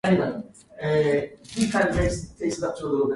This is the origin of the term "generator".